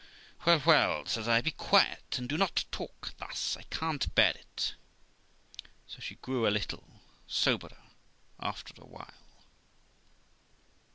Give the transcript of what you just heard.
'Well, well', says I, 'be quiet, and do not talk thus, I can't bear it.' So she grew a little soberer after a while.